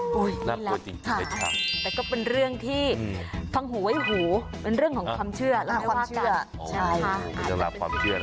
แต่ก็เป็นเรื่องที่ฟังหูไว้หูเป็นเรื่องของความเชื่อ